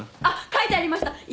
あっ書いてありました。